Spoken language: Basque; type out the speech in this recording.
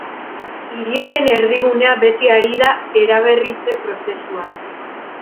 Hiriaren erdigunea beti ari da eraberritze prozesuan.